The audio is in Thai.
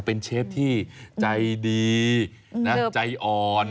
เป็นเชฟที่ใจดีนะใจอ่อน